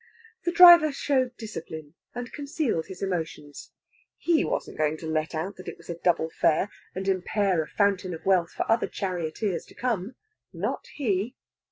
The driver showed discipline, and concealed his emotions. He wasn't going to let out that it was a double fare, and impair a fountain of wealth for other charioteers to come. Not he!